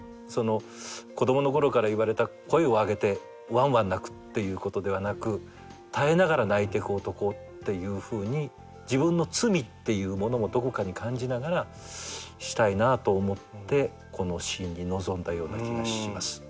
子供の頃から言われた声を上げてわんわん泣くっていうことではなく耐えながら泣いてく男っていうふうに自分の罪っていうものもどこかに感じながらしたいなと思ってこのシーンに臨んだような気がします。